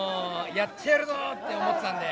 やってやるぞと思ってたんで。